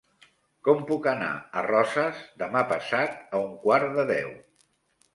Com puc anar a Roses demà passat a un quart de deu?